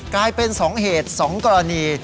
กลายเป็นสองเหตุสองกรณี